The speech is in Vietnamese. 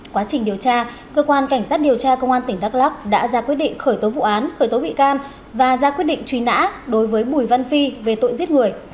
quá trình điều tra cơ quan cảnh sát điều tra công an tỉnh đắk lắc đã ra quyết định khởi tố vụ án khởi tố bị can và ra quyết định truy nã đối với bùi văn phi về tội giết người